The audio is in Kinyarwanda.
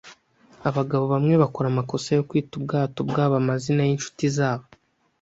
Abagabo bamwe bakora amakosa yo kwita ubwato bwabo amazina yinshuti zabo.